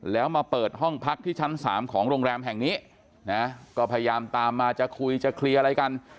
แล้วมาเปิดห้องพักที่ชั้น๓ของโรงแรมแห่งนี้นะก็พยายามตามมาจะคุยจะเคลียร์อะไรกัน